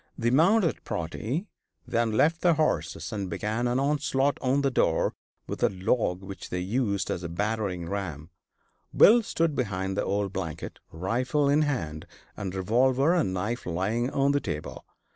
The mounted party then left their horses and began an onslaught on the door with a log which they used as a battering ram. Bill stood behind the old blanket, rifle in hand, and revolver and knife lying on the table.